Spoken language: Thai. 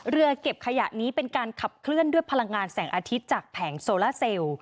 เรือเก็บขยะนี้เป็นการขับเคลื่อนด้วยพลังงานแสงอาทิตย์จากแผงโซล่าเซล